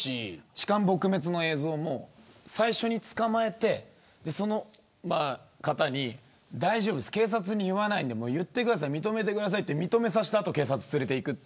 痴漢撲滅の映像も最初に捕まえて大丈夫です、警察に言わないんで言ってください認めてくださいって認めさせた後に警察に連れていく。